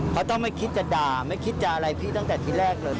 เขาต้องไม่คิดจะด่าไม่คิดจะอะไรพี่ตั้งแต่ที่แรกเลย